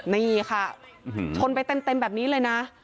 นี่ค่ะชนไปเต็มแบบนี้เลยนะ